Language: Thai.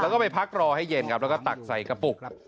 แล้วก็ไปพักรอให้เย็นครับแล้วก็ตักใส่กระปุก